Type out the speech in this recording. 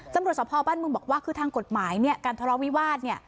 จำรวจสมภาวบ้านมึงบอกว่าคือทางกฎหมายเนี่ยการทะเลาวิวาสเนี่ย